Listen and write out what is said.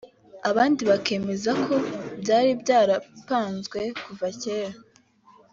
abandi bakemeza ko byari byarapanzwe kuva kera